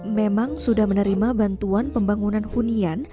memang sudah menerima bantuan pembangunan hunian